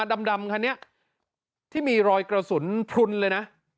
ดำคันนี้ที่มีรอยกระสุนพลุนเลยนะ